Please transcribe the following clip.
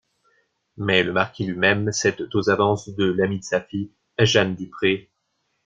Mais le marquis lui-même cède aux avances de l'amie de sa fille, Jeanne Dupré.